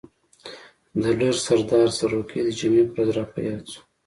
د ډر سردار سروکی د جمعې په ورځ را په ياد شو.